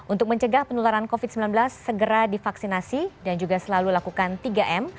untuk mencegah penularan covid sembilan belas segera divaksinasi dan juga selalu lakukan tiga m